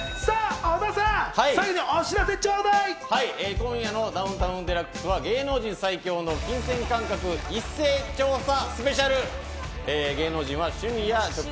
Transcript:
小田さん、今夜の『ダウンタウンＤＸ』は芸能人最強の金銭感覚一斉調査